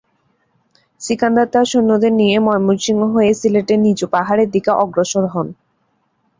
সিকান্দার তার সৈন্যদের নিয়ে ময়মনসিংহ হয়ে সিলেটের নিচু পাহাড়ের দিকে অগ্রসর হন।